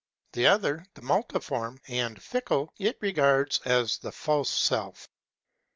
The other, the multiform and fickle, it regards as the False Self.